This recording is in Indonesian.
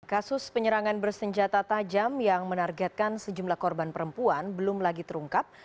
kasus penyerangan bersenjata tajam yang menargetkan sejumlah korban perempuan belum lagi terungkap